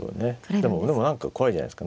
でも何か怖いじゃないですか。